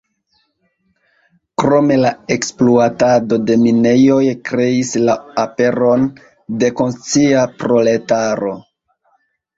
Krome la ekspluatado de minejoj kreis la aperon de konscia proletaro.